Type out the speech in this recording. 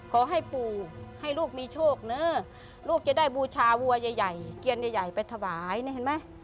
ขอให้ปู่ให้ลูกมีโชคเนอะลูกจะได้บูชาวัวใหญ่เกียรใหญ่ไปถวายนี่เห็นไหม